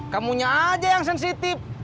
kamunya aja yang sensitif